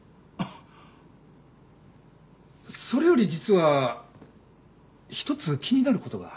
それより実は一つ気になる事が。